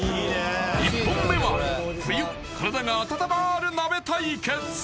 １本目は冬体が温まる鍋対決